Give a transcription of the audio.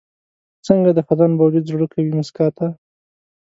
څنګه د خزان باوجود زړه کوي موسکا ته؟